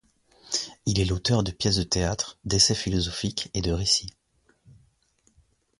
Il est l’auteur de pièces de théâtre, d’essais philosophiques et de récits.